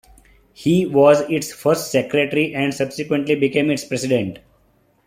He was its first secretary, and subsequently became its president.